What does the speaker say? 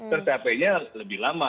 tercapainya lebih lama